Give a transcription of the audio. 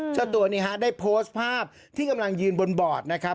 เจ้าตัวนี้ฮะได้โพสต์ภาพที่กำลังยืนบนบอร์ดนะครับ